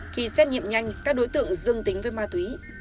khi xét nghiệm nhanh các đối tượng dương tính với ma túy